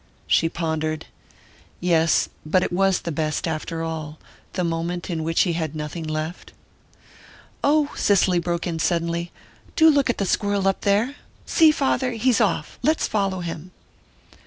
She pondered. "Yes but it was the best, after all the moment in which he had nothing left...." "Oh," Cicely broke in suddenly, "do look at the squirrel up there! See, father he's off! Let's follow him!"